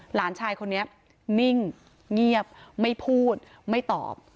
หลานชายคนนี้นิ่งเงียบไม่พูดไม่ตอบ